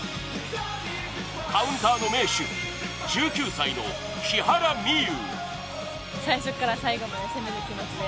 カウンターの名手１９歳の木原美悠。